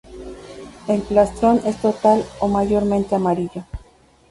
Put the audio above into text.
El plastrón es total o mayormente amarillo.